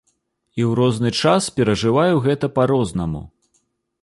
І ў розны час перажываю гэта па-рознаму.